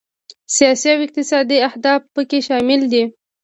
سیاسي او اقتصادي اهداف پکې شامل دي.